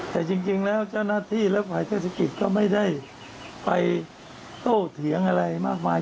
แต่จริงแล้วเจ้าหน้าที่และฝ่ายเทศกิจก็ไม่ได้ไปโตเถียงอะไรมากมาย